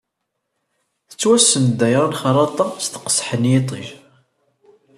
Tettwassen ddayra n Xerraṭa s teqseḥ n yiṭij.